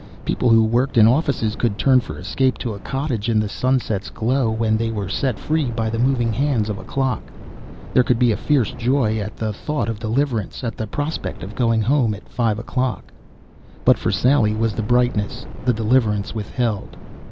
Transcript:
People who worked in offices could turn for escape to a cottage in the sunset's glow, when they were set free by the moving hands of a clock. There could be a fierce joy at the thought of deliverance, at the prospect of going home at five o'clock. But for Sally was the brightness, the deliverance withheld.